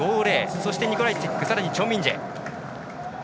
そしてニコライツィックさらにチョン・ミンジェ。